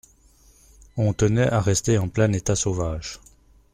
On tenait à rester en plein état sauvage.